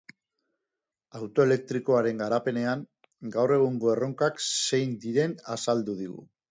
Auto elektrikoaren garapenean, gaur egungo erronkak zein diren azaldu digu.